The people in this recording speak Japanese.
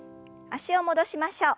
脚を戻しましょう。